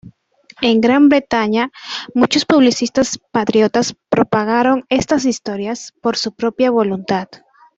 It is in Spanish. En Gran Bretaña, muchos publicistas patriotas propagaron estas historias por su propia voluntad.